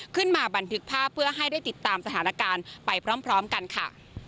บันทึกภาพเพื่อให้ได้ติดตามสถานการณ์ไปพร้อมกันค่ะ